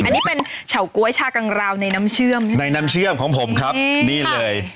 อันนี้เป็นเฉาก๊วยชากังราวในน้ำเชื่อมในน้ำเชื่อมของผมครับนี่เลย